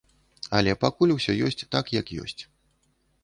Але пакуль усё ёсць так, як ёсць.